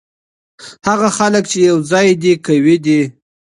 هغه خلګ چي یو ځای دي قوي دي.